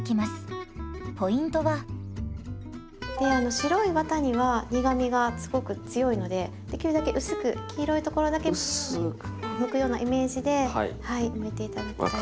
白いワタには苦みがすごく強いのでできるだけ薄く黄色いところだけむくようなイメージでむいて頂きたいと思います。